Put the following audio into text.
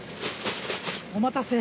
お待たせ。